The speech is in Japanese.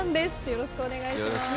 よろしくお願いします。